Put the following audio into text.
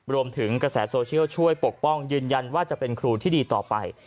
รวมถึงกระแสโซเชียลช่วยปกป้องยืนยันว่าจะเป็นครูที่ดีต่อไป